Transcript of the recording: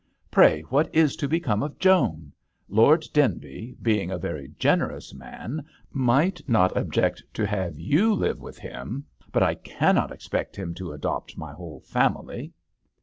Pray, what is to become of Joan? Lord Denby, being a very gene rous man, might not object to having you to live with him, but I cannot expect him to adopt my whole family."